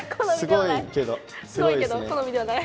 すごいけど好みではない？